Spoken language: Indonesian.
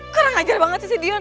ke pembeli hari banyak sedion